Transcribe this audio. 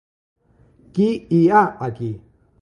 Qui hi ha aquí?